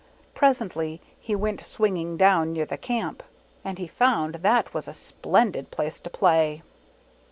Presently he went swinging down 10 i near the Camp, and he found that was a splendid place to play.